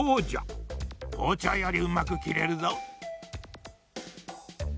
ほうちょうよりうまくきれるぞ。